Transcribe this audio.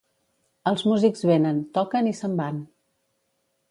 Els músics venen, toquen i se'n van.